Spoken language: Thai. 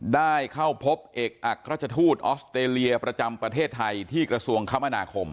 ได้เข้าพบเอกอักราชทูตออสเตรเลียประจำประเทศไทยที่กระทรวงคมนาคม